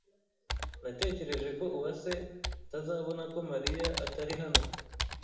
Natekereje ko Uwase atazabona ko Mariya atari hano.